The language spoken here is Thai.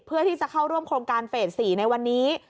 เพื่อที่จะเข้าร่วมโครงการเฟส๔ในวันนี้